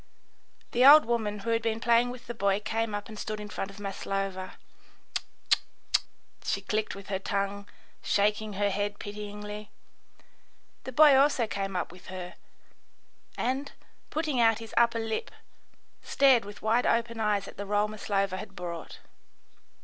The old woman who had been playing with the boy came up and stood in front of Maslova. "Tz, tz, tz," she clicked with her tongue, shaking her head pityingly. The boy also came up with her, and, putting out his upper lip, stared with wide open eyes at the roll Maslova had brought.